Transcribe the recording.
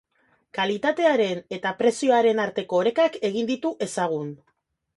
Kalitatearen eta prezioaren arteko orekak egin ditu ezagun.